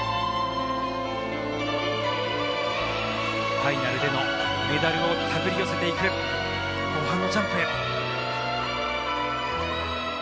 ファイナルでのメダルを手繰り寄せていく後半のジャンプ。